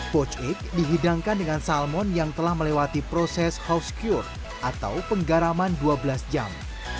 poch egg dihidangkan dengan salmon yang telah melewati proses housecure atau penggaraman dua belas jam